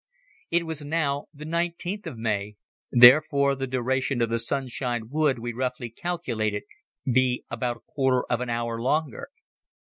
It was now the nineteenth of May, therefore the duration of the sunshine would, we roughly calculated, be about a quarter of an hour longer.